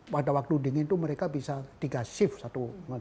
pada waktu dingin itu mereka bisa tiga shift satu